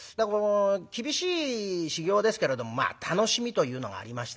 厳しい修業ですけれどもまあ楽しみというのがありましてね